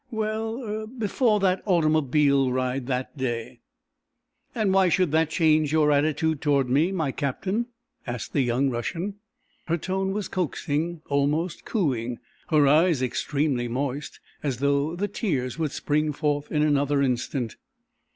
"Well, er before that automobile ride the day." "And why should that change your attitude toward me, my Captain?" asked the young Russian. Her tone was coaxing, almost cooing; her eyes extremely moist, as though the tears would spring forth in another instant.